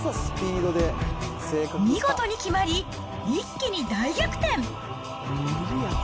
見事に決まり、一気に大逆転。